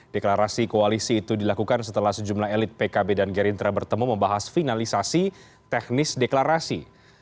deklarasi koalisi itu dilakukan setelah sejumlah elit pkb dan gerindra bertemu membahas finalisasi teknis deklarasi